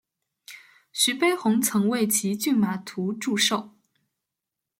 徐悲鸿曾为其作骏马图祝寿。